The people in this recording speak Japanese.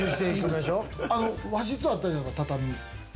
あの和室あったじゃないですか、畳。